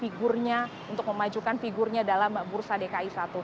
figurnya untuk memajukan figurnya dalam bursa dki satu